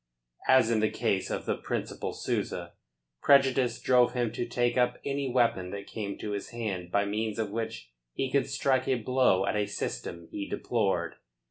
As in the case of the Principal Souza, prejudice drove him to take up any weapon that came to his hand by means of which he could strike a blow at a system he deplored.